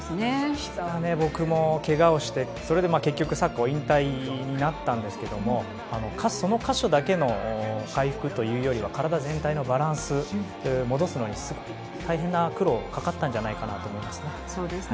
ひざは僕も怪我をしてサッカーを引退になったんですけどその箇所だけの回復というよりは体全体のバランス、戻すのにすごい大変な苦労がかかったんじゃないかと思いますね。